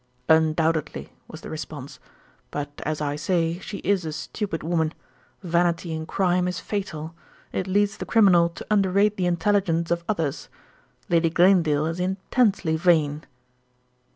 "Undoubtedly," was the response; "but as I say, she is a stupid woman. Vanity in crime is fatal; it leads the criminal to underrate the intelligence of others. Lady Glanedale is intensely vain."